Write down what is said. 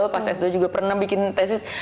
pas s dua juga pernah bikin tesis